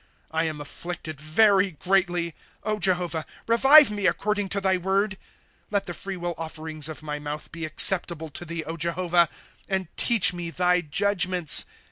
''' I am afflicted very greatly ; Jehovah, revive me according to thy word. ■^ Let the free wih offerings of my mouth be acceptable to thee, Jehovah ; And teach me thy judgments.